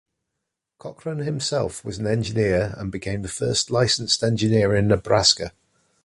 Cochran himself was an engineer and became the first licensed engineer in Nebraska.